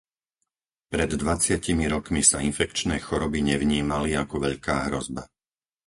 Pred dvadsiatimi rokmi sa infekčné choroby nevnímali ako veľká hrozba.